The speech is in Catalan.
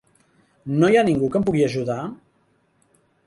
No hi ha ningú que em pugui ajudar?